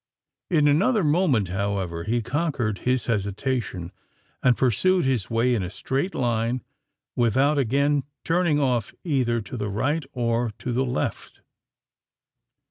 In another moment, however, he conquered his hesitation, and pursued his way in a straight line, without again turning off either to the right or to the left.